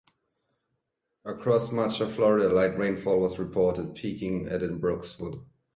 Across much of Florida, light rainfall was reported, peaking at in Brooksville.